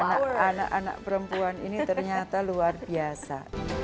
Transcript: anak anak perempuan ini ternyata luar biasa